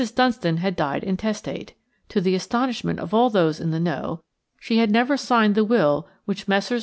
Dunstan had died intestate. To the astonishment of all those in the know, she had never signed the will which Messrs.